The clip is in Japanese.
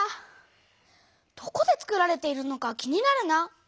どこでつくられているのか気になるな。